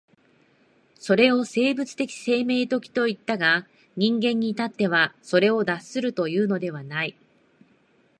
それを生物的生命的といったが、人間に至ってもそれを脱するというのではない。